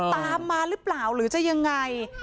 ตามมาหรือเปล่าหรือจะยังไง